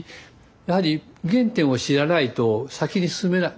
やはり原点を知らないと先に進めない。